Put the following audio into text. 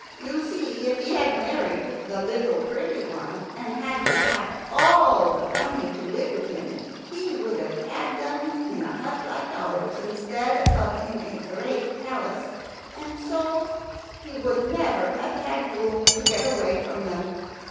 "You see, if he had married the little pretty one, and had to have all the family to live with him, he would have had them in a hut like ours instead of in a great palace, and so he would never have had room to get away from them.